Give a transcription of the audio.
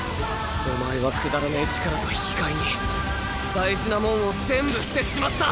お前はくだらねぇ力と引き換えに大事なもんを全部捨てちまった。